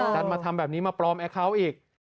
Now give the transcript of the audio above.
ดันมาทำแบบนี้มาปลอมแอคเคาน์อีก